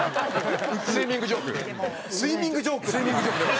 スイミングジョークなん？